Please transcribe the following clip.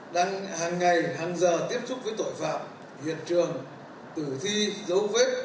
đang hàng ngày hàng giờ tiếp xúc với tội phạm hiện trường tử thi dấu vết